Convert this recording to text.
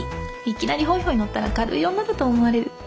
いきなりホイホイ乗ったら軽い女だと思われる。